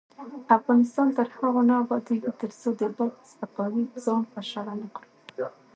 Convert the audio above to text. افغانستان تر هغو نه ابادیږي، ترڅو د بل په سپکاوي ځان خوشحاله نکړو.